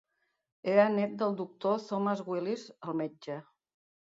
Era nét del doctor Thomas Willis, el metge.